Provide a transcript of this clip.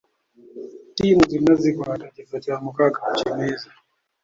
Tiimu zonna zikwata kifo kya mukaga ku kimeeza.